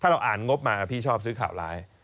เราอ่านงบมาพี่ชอบซื้อข่าวร้าย